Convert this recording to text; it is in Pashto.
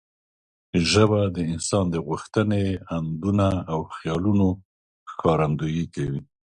ژبه د انسان د غوښتنې، اندونه او خیالونو ښکارندويي کوي.